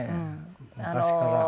昔から。